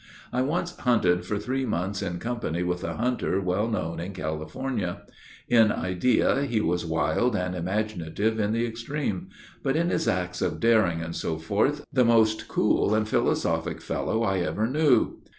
I once hunted for three months in company with a hunter well known in California. In idea, he was wild and imaginative in the extreme; but, in his acts of daring, &c., the most cool and philosophic fellow I ever knew.